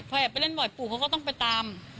แอบไปเล่นบ่อยปู่เขาก็ต้องไปตาม